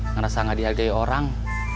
ngerasa gak diagahi orang